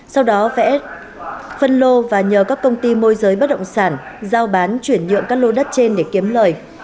sau đó vẽ phân lô và nhờ các công ty môi giới bất động sản giao bán chuyển nhượng các lô đất trên để kiếm lời